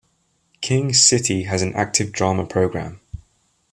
King City has an active drama program.